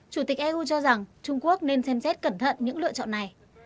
chủ tịch eu cho rằng trung quốc nên xem xét cẩn thận những lựa chọn này